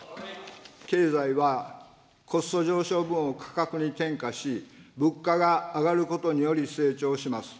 経済は、コスト上昇分を価格に転嫁し、物価が上がることにより成長します。